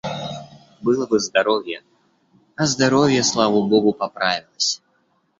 Было бы здоровье, а здоровье, слава Богу, поправилось.